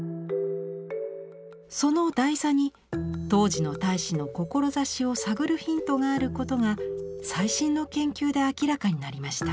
その台座に当時の太子の志を探るヒントがあることが最新の研究で明らかになりました。